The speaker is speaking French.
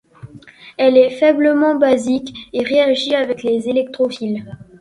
Elle est faiblement basique, et réagit avec les électrophiles.